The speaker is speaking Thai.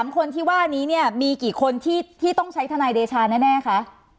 ๓คนที่ว่านี้เนี่ยมีกี่คนที่ต้องใช้ทนายเดชาแน่คะ